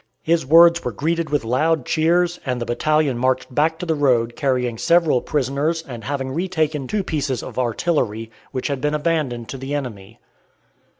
His words were greeted with loud cheers, and the battalion marched back to the road carrying several prisoners and having retaken two pieces of artillery which had been abandoned to the enemy.